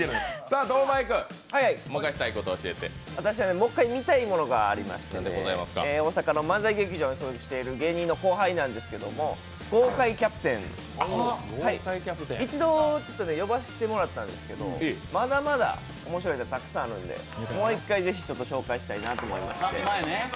私はもう一回見たいものがありまして大阪の漫才劇場に所属している芸人の後輩なんですけど豪快キャプテン、一度呼ばせてもらったんですけど、まだまだ面白いネタ、たくさんあるんでもう一回ぜひ紹介したいなと思いまして。